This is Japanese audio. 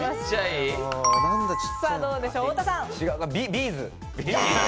ビーズ。